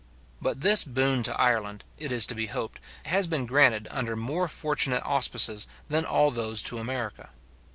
But this boon to Ireland, it is to be hoped, has been granted under more fortunate auspices than all those to America.